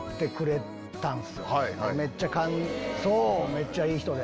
めっちゃいい人で。